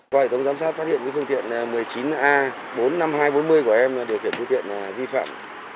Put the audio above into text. qua hệ thống giám sát phát hiện phương tiện một mươi chín a bốn mươi năm nghìn hai trăm bốn mươi của em điều khiển phương tiện vi phạm